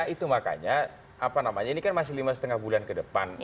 itu makanya apa namanya ini kan masih lima lima bulan ke depan